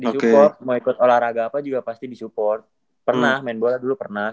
disupport mau ikut olahraga apa juga pasti disupport pernah main bola dulu pernah